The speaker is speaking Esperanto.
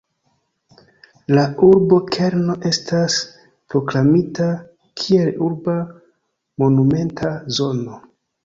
La urbokerno estas proklamita kiel urba monumenta zono.